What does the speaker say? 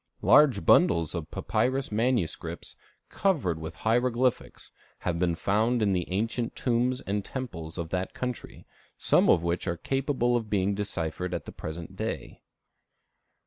Large bundles of papyrus manuscripts, covered with hieroglyphics, have been found in the ancient tombs and temples of that country, some of which are capable of being deciphered at the present day.